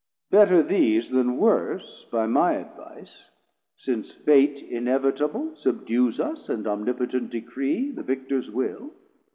better these then worse By my advice; since fate inevitable Subdues us, and Omnipotent Decree, The Victors will.